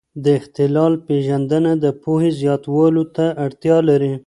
د اختلال پېژندنه د پوهې زیاتولو ته اړتیا لري.